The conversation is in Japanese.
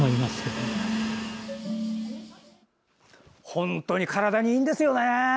本当に体にいいんですよね。